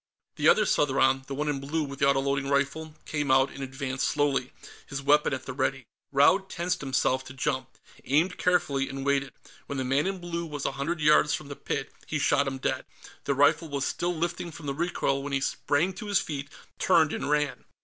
The other Southron, the one in blue with the autoloading rifle, came out and advanced slowly, his weapon at the ready. Raud tensed himself to jump, aimed carefully, and waited. When the man in blue was a hundred yards from the pit, he shot him dead. The rifle was still lifting from the recoil when he sprang to his feet, turned, and ran.